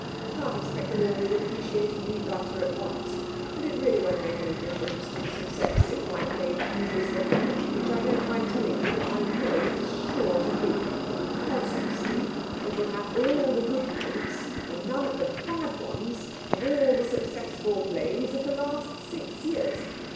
You can't expect them all to appreciate a new writer at once. And it really won't make any difference to the success if my play pleases the public, which I don't mind telling you I know it's sure to do; because, you see, it'll have all the good points and none of the bad ones of all the successful plays of the last six years.